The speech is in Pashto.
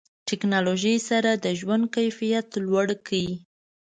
ټکنالوژي سره د ژوند کیفیت لوړ کړئ.